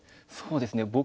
そうですね